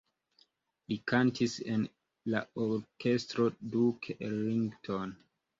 Li kantis en la Orkestro Duke Ellington.